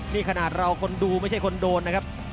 นี่ขนาดเราคนดูไม่ใช่คนโดนนะครับ